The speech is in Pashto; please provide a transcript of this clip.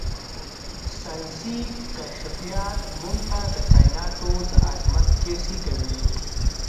ساینسي کشفیات موږ ته د کائناتو د عظمت کیسې کوي.